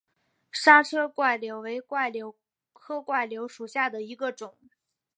莎车柽柳为柽柳科柽柳属下的一个种。